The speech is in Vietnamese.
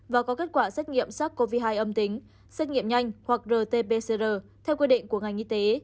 và có kết quả xét nghiệm sars cov hai âm tính xét nghiệm nhanh hoặc rt pcr theo quy định của ngành y tế